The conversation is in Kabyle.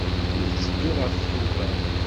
Ur tteddut ɣef tuga.